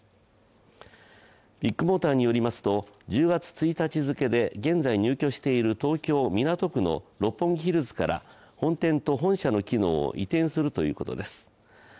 ビッグモーターによりますと１０月１日付で、現在入居している東京・港区の六本木ヒルズから本店と本社の機能を移転するということです。